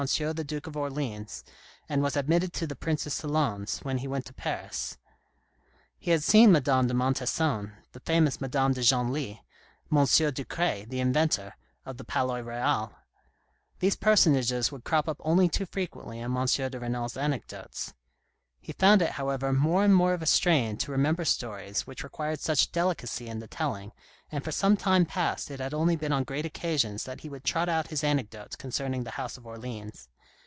the Duke of Orleans, and was admitted to the Prince's salons when he went to Paris. He had seen Madame de Montesson, the famous Madame de Genlis, M. Ducret, the inventor, of the M THE RED AND THE BLACK Palais Royal. These personages would crop up only too frequently in M. de Renal's anecdotes. He found it, however, more and more of a strain to remember stories which required such delicacy in the telling, and for some time past it had only been on great occasions that he would trot out his anec dotes concerning the House of Orleans.